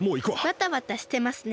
バタバタしてますね。